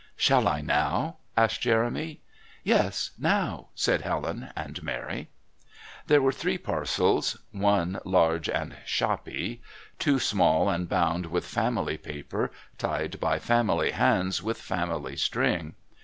"Shall I now?" asked Jeremy. "Yes, now," said Helen and Mary. There were three parcels, one large and "shoppy," two small and bound with family paper, tied by family hands with family string.